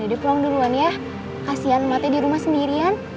udah pulang duluan ya kasihan mati di rumah sendirian